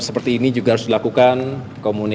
sebelumnya juga kami menjalankan ini